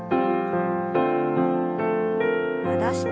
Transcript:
戻して。